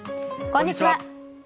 こんにちは。